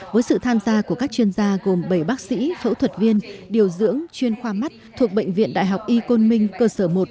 với sự tham gia của các chuyên gia gồm bảy bác sĩ phẫu thuật viên điều dưỡng chuyên khoa mắt thuộc bệnh viện đại học y côn minh cơ sở một